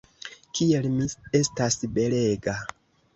Kiel mi estas belega!